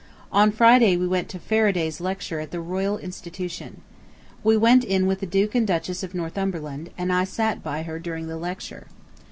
On Friday we went to Faraday's lecture at the Royal Institution. We went in with the Duke and Duchess of Northumberland, and I sat by her during the lecture.